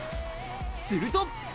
すると。